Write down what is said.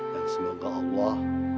dan semoga allah